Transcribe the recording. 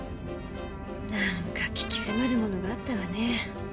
なんか鬼気迫るものがあったわね。